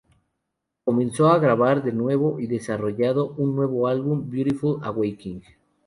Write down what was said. Comenzó a grabar de nuevo y desarrollado un nuevo álbum Beautiful Awakening.